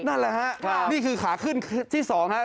นั่นแหละฮะนี่คือขาขึ้นที่๒ครับ